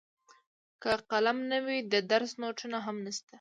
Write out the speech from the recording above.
که قلم نه وي د درس نوټونه هم نشته.